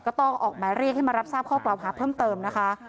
ก็ต้องออกหมายเรียกให้มารับทราบข้อกล่าวหาเพิ่มเติมนะคะ